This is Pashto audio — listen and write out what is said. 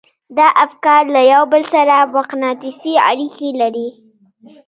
دا افکار له يو بل سره مقناطيسي اړيکې لري.